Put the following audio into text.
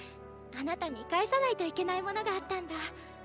あなたに返さないといけないものがあったんだ。